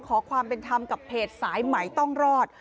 ขอความเป็นธรรมกับเพจสายใหม่ต้องรอด